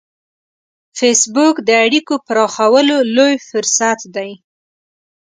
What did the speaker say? فېسبوک د اړیکو پراخولو لوی فرصت دی